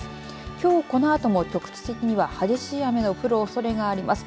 きょうこのあとも局地的には激しい雨が降るおそれがあります。